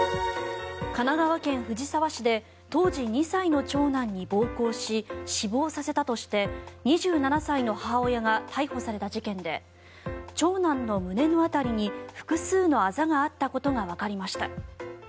神奈川県藤沢市で当時２歳の長男に暴行し死亡させたとして２７歳の母親が逮捕された事件で長男の胸の辺りに複数のあざがあったことがわかりました。